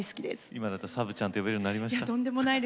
今だったらサブちゃんと呼べるようになりました？